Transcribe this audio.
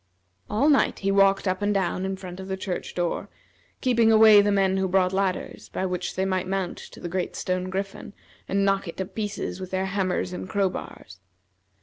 All night he walked up and down in front of the church door, keeping away the men who brought ladders, by which they might mount to the great stone griffin, and knock it to pieces with their hammers and crowbars.